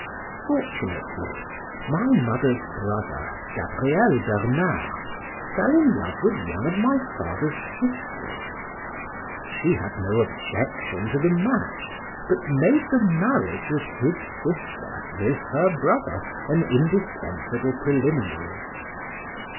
Fortunately, my mother's brother, Gabriel Bernard, fell in love with one of my father's sisters; she had no objection to the match, but made the marriage of his sister with her brother an indispensable preliminary.